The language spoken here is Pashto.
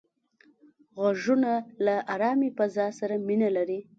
غوږونه له آرامې فضا سره مینه لري